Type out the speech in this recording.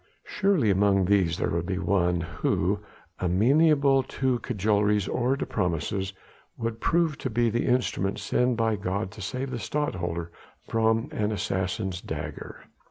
Surely among these there would be one who amenable to cajoleries or to promises would prove to be the instrument sent by God to save the Stadtholder from an assassin's dagger!